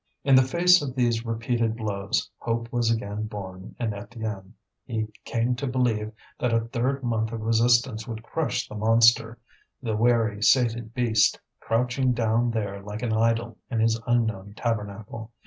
In the face of these repeated blows, hope was again born in Étienne; he came to believe that a third month of resistance would crush the monster the weary, sated beast, crouching down there like an idol in his unknown tabernacle.